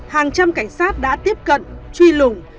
hàng trăm cảnh sát đã tiếp cận truy lùng